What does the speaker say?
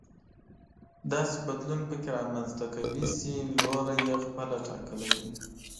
داسې بدلون پکې رامنځته کوي چې لوری يې خپله ټاکلی وي.